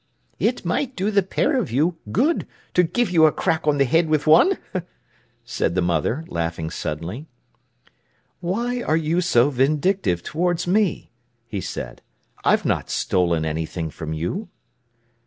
"It might do the pair of you good to give you a crack on the head with one," said the mother, laughing suddenly. "Why are you so vindictive towards me?" he said. "I've not stolen anything from you."